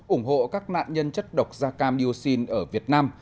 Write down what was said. ủng hộ các nạn nhân chất độc da cam dioxin ở việt nam